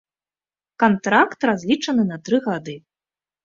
Кантракт разлічаны на тры гады.